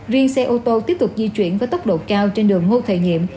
riêng xe ô tô tiếp tục di chuyển với tốc độ cao trên đường ngô thợ diệm